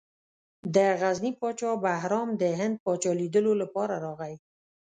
د غزني پاچا بهرام د هند پاچا لیدلو لپاره راغی.